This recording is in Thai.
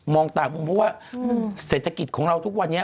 ต่างมุมเพราะว่าเศรษฐกิจของเราทุกวันนี้